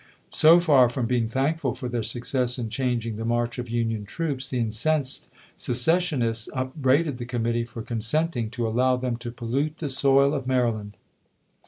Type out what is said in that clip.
So far from being thankful for their success in changing the march of Union troops, the incensed secessionists upbraided the committee for consenting to allow them to pollute the soil of Maryland.